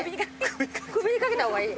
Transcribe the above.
首に掛けたほうがいい。